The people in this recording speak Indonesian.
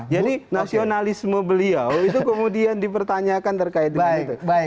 jadi nasionalisme beliau itu kemudian dipertanyakan terkait dengan itu